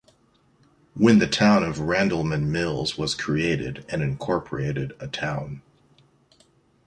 When the town of Randleman Mills was created and incorporated a town.